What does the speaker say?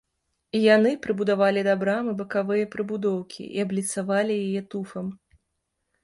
Яны прыбудавалі да брамы бакавыя прыбудоўкі і абліцавалі яе туфам.